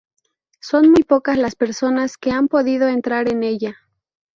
Son muy pocas las personas que han podido entrar en ella.